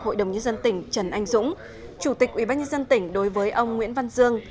hội đồng nhân dân tỉnh trần anh dũng chủ tịch ubnd tỉnh đối với ông nguyễn văn dương